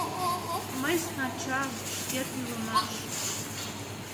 Мыйс начар, шкет илымаш.